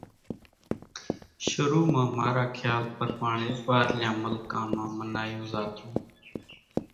شرو مان مارا کيال پرماڻي ٻارليان ملڪان مان منايون زاتون